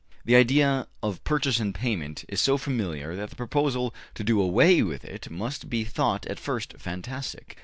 The idea of purchase and payment is so familiar that the proposal to do away with it must be thought at first fantastic.